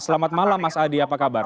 selamat malam mas adi apa kabar